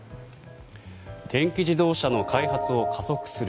電気自動車の開発を加速する。